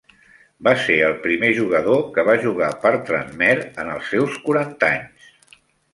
Va ser el primer jugador que va jugar per Tranmere en els seus quaranta anys.